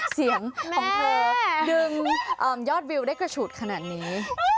เสียงของเธอดึงยอดวิวได้กระฉูดขนาดนี้